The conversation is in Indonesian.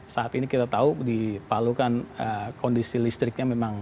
saat ini kita tahu dipalukan kondisi listriknya memang